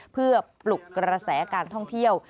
เพื่อปลุกกระแสการท่องเที่ยว